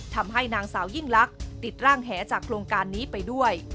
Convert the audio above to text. ทำให้นางสาวยิ่งลักษณ์ติดร่างแหจากโครงการนี้ไปด้วย